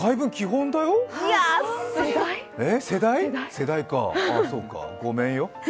世代か、ごめんよ。